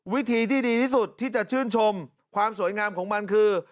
วิธีที่ดีที่สุดที่จะชื่นชมความสวยงามของมันคือ